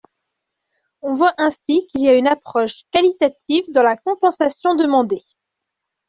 On voit ainsi qu’il y a une approche qualitative dans la compensation demandée.